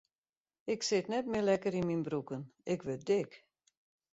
Ik sit net mear lekker yn myn broeken, ik wurd dik.